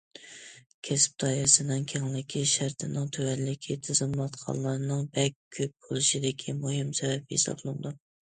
كەسىپ دائىرىسىنىڭ كەڭلىكى، شەرتنىڭ تۆۋەنلىكى تىزىملاتقانلارنىڭ بەك كۆپ بولۇشىدىكى مۇھىم سەۋەب ھېسابلىنىدۇ.